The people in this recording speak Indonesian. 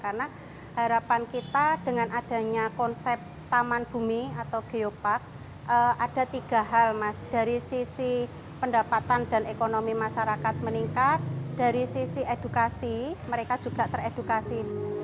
karena harapan kita dengan adanya konsep taman bumi atau geopark ada tiga hal dari sisi pendapatan dan ekonomi masyarakat meningkat dari sisi edukasi mereka juga teredukasi